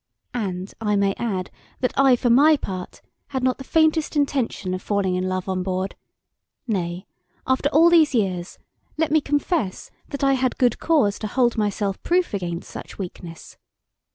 And I may add that I for my part had not the faintest intention of falling in love on board; nay, after all these years, let me confess that I had good cause to hold myself proof against such weakness.